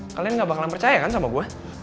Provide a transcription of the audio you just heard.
kalian gak bakalan percaya kan sama gue